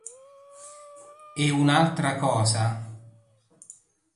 E un'altra cosa...